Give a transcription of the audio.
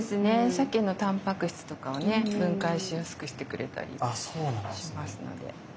さけのたんぱく質とかをね分解しやすくしてくれたりしますので。